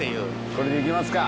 これでいきますか。